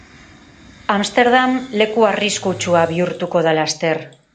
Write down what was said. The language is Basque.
Amsterdam leku arriskutsua bihurtuko da laster.